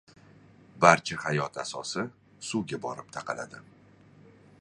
Barcha hayot asosi suvga borib taqaladi.